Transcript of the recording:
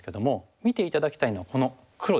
見て頂きたいのはこの黒ですね。